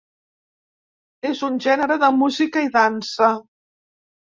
És un gènere de música i dansa.